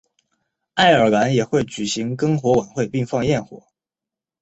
爱尔兰也会举行篝火晚会并放焰火。